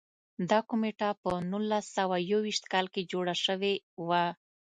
دا کمېټه په نولس سوه یو ویشت کال کې جوړه شوې وه.